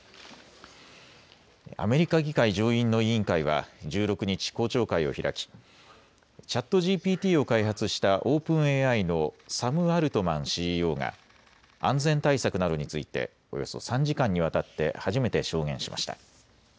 アメリカ議会上院の委員会は１６日、公聴会を開きＣｈａｔＧＰＴを開発したオープンＡＩのサム・アルトマンＣＥＯが安全対策などについておよそ３時間にわたって初めて証言しました。